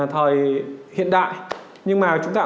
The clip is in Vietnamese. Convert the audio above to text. thời hiện đại nhưng mà chúng ta